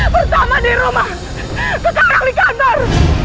pertama di rumah kekarang di kantor